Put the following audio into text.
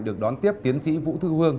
được đón tiếp tiến sĩ vũ thư hương